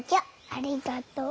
ありがとう。